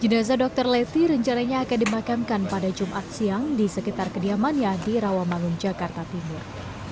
jenazah dr leti rencananya akan dimakamkan pada jumat siang di sekitar kediamannya di rawamangun jakarta timur